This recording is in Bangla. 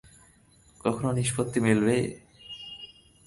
কখনো নিষ্পত্তি মিলবে?